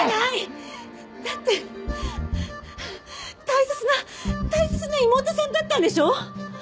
だって大切な大切な妹さんだったんでしょ？